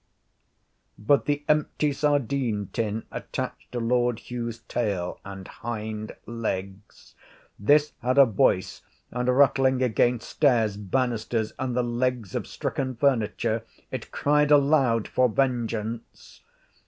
But the empty sardine tin attached to Lord Hugh's tail and hind legs this had a voice, and, rattling against stairs, banisters, and the legs of stricken furniture, it cried aloud for vengeance.